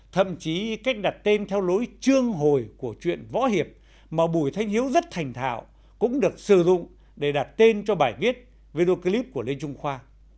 thậm chí cách đặt tên theo lối chương hồi của chuyện võ hiệp mà bùi thanh hiếu rất thành thạo cũng được sử dụng để đặt tên cho bài viết video clip của lê trung khoa